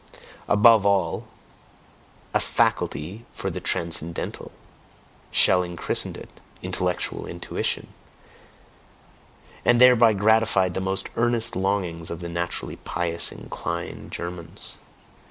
Above all a faculty for the "transcendental"; Schelling christened it, intellectual intuition, and thereby gratified the most earnest longings of the naturally pious inclined Germans.